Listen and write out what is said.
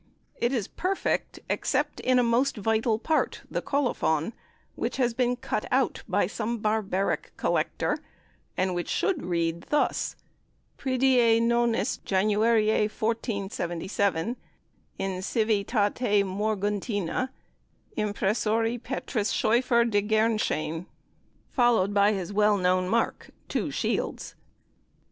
It is perfect, except in a most vital part, the Colophon, which has been cut out by some barbaric "Collector," and which should read thus: "Pridie nonis Januarii Mcccclxxvij, in Civitate Moguntina, impressorie Petrus Schoyffer de Gernsheym," followed by his well known mark, two shields.